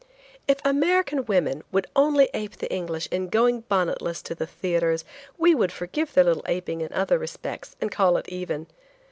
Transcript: If American women would only ape the English in going bonnetless to the theatres, we would forgive their little aping in other respects, and call it even.